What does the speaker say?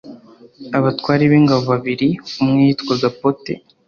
abatware b ingabo babiri umwe yitwaga pote